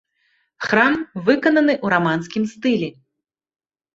Храм выкананы ў раманскім стылі.